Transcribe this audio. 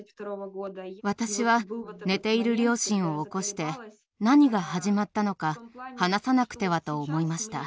私は寝ている両親を起こして何が始まったのか話さなくてはと思いました。